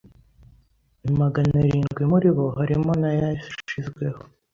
Magana arindwi muribo harimo nayashizweho